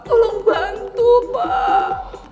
tolong bantu pak